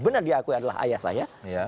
benar diakui adalah ayah saya